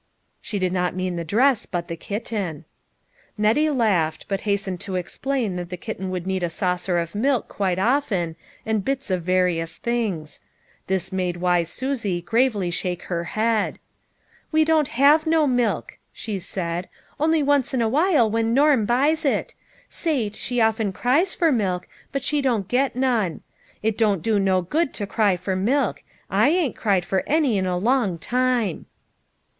She did not mean the dress but the kitten. 40 LITTLE FISHEKS : AND THEIE NETS. Nettie laughed, but hastened to explain that the kitten would need a saucer of milk quite often, and bits of various things. This made wise Susie gravely shake her head. "We don't have no milk," she said, "only once in awhile when Norm buys it ; Sate, she often cries for milk, but she don't get none. It don't do no good to cry for milk ; I ain't cried for any in a long time."